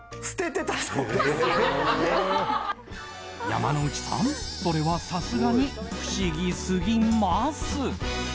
山之内さんそれはさすがに不思議すぎます！